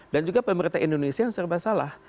dan juga pemerintah indonesia yang serba salah